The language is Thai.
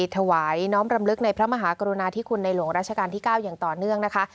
ถวายน้อมรำลึกในพระมหากรุณาธิคุณในหลวงราชการที่๙อย่างต่อเนื่องนะคะ